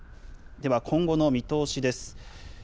では今後の見通しです。